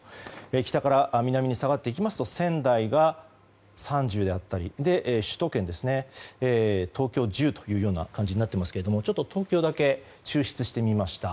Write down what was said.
北から南に下がっていきますと仙台が３０であったり首都圏ですね東京、１０というような感じになっていますけれどもちょっと東京だけ抽出してみました。